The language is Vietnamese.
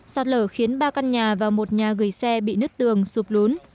sạt lở khiến ba căn nhà và một nhà gửi xe bị nứt tường sụp lún